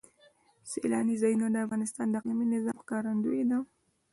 سیلانی ځایونه د افغانستان د اقلیمي نظام ښکارندوی ده.